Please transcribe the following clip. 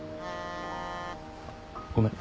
ごめん。